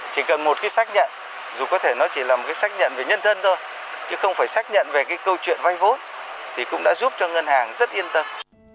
chỉ cần một cái xác nhận dù có thể nó chỉ là một cái xác nhận về nhân thân thôi chứ không phải xác nhận về cái câu chuyện vay vốn thì cũng đã giúp cho ngân hàng rất yên tâm